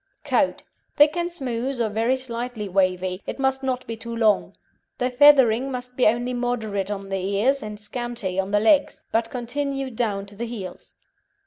COAT Thick and smooth or very slightly wavy, it must not be too long. The feathering must be only moderate on the ears, and scanty on the legs, but continued down to the heels.